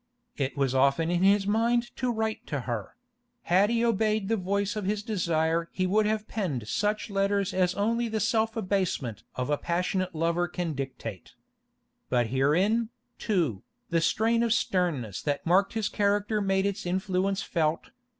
It was often in his mind to write to her; had he obeyed the voice of his desire he would have penned such letters as only the self abasement of a passionate lover can dictate. But herein, too, the strain of sternness that marked his character made its influence felt.